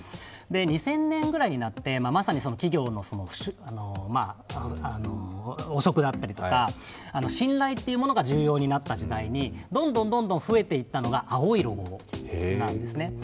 ２０００年ぐらいになって、まさに企業の汚職だったりとか、信頼っていうものが重要になった時代にどんどんどんどん増えていったのが青いロゴなんですね。